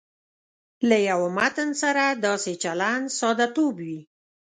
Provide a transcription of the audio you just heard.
له یوه متن سره داسې چلند ساده توب وي.